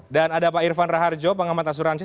dan ada pak irvan raharjo pengamat asuransi